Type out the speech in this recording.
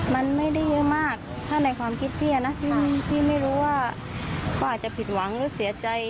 มันไม่ได้เยอะมากถ้าในความคิดพี่นะพี่ไม่รู้ว่าเขาอาจจะผิดหวังหรือเสียใจ